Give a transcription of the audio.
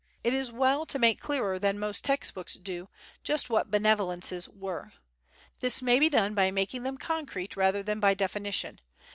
It is well to make clearer than most text books do just what "benevolences" were. This may be done by making them concrete rather than by definition.